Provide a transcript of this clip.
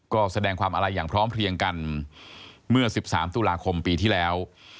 ก็แสดงความอะไรอย่างพร้อมเพลียงกันเมื่อ๑๓ตุลาคมปีที่แล้ว